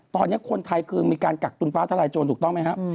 ตอนนี้คนไทยคือมีการกักตุลฟ้าทลายโจรถูกต้องไหมครับ